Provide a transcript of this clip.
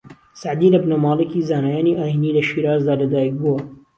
سەعدی لە بنەماڵەیەکی زانایانی ئایینی لە شیرازدا لە دایک بووە